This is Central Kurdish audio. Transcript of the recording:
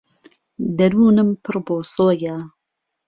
دهرونم پڕ بۆسۆیه